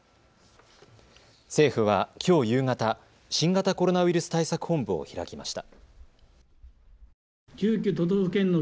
政府はきょう夕方、新型コロナウイルス対策本部を開きました。